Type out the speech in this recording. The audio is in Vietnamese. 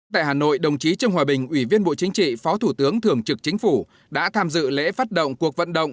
tại hà nội đồng chí trương hòa bình ủy viên bộ chính trị phó thủ tướng thường trực chính phủ đã tham dự lễ phát động cuộc vận động